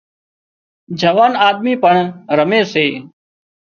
جوان آۮمِي پڻ رمي سي